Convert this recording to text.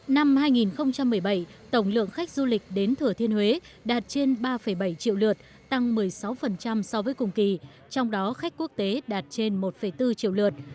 năm hai nghìn một mươi bảy tổng lượng khách du lịch đến thừa thiên huế đạt trên ba bảy triệu lượt tăng một mươi sáu so với cùng kỳ trong đó khách quốc tế đạt trên một bốn triệu lượt